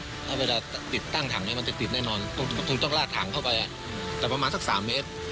ถ้าเวลาติดตั้งถังนี้มันจะติดแน่นอนคงต้องลากถังเข้าไปแต่ประมาณสัก๓เมตร